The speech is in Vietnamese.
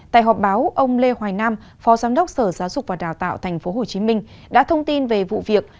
tại họp báo ông lê hoài nam phó giám đốc sở giáo dục và đào tạo tp hcm đã thông tin về vụ việc